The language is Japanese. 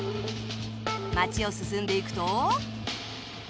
街を進んでいくと